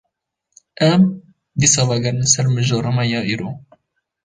Em, dîsa vegerin ser mijara me ya îro